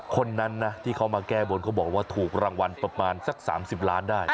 คนนั้นนะที่เขามาแก้บนเขาบอกว่าถูกรางวัลประมาณสัก๓๐ล้านได้